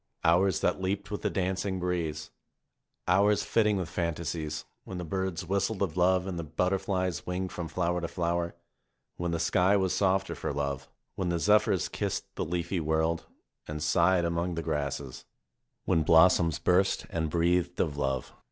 Hours that leaped with the dancing breeze. Hours flitting with fantasies, when the birds whistled of love and the butterflies winged from flower to flower ; when the sky was softer for love ; when the zephyrs kissed the leafy world and sighed among the grasses; when bios MARIE 23 soms burst and breathed of love.